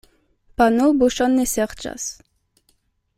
Pano buŝon ne serĉas.